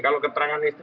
kalau keterangan istri